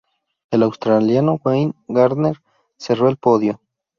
El australiano Wayne Gardner cerró el podio.